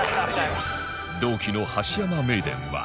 同期の橋山メイデンは